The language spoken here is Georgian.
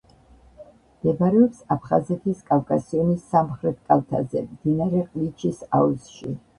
მდებარეობს აფხაზეთის კავკასიონის სამხრეთ კალთაზე, მდინარე ყლიჩის აუზში.